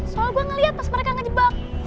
soalnya gue ngelihat pas mereka ngejebak